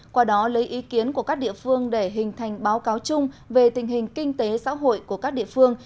qua đó lấy ý kiến của các địa phương để hình thành báo cáo chung về tình hình kinh tế xã hội của các địa phương